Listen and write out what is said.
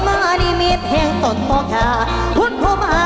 มันวาดเท้าใจสาโทษกาเสียมว่า